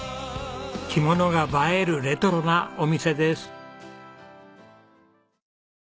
着物が映えるレトロなお店です。